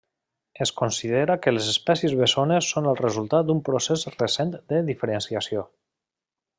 Es considera que les espècies bessones són el resultat d'un procés recent de diferenciació.